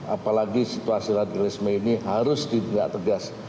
apalagi situasi latihisme ini harus tidak tegas